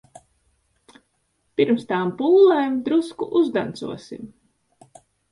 Pirms tām pūlēm drusku uzdancosim.